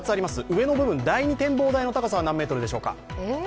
上の部分、第２展望台の高さは何ｍでしょうか。